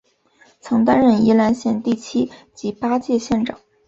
曾担任宜兰县第七及八届县长。